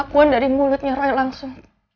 kekuan dari mulutnya roy langsung